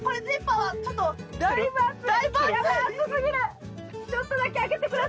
はい。